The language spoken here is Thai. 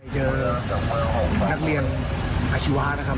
เจอนักเรียนอชิวะนะครับ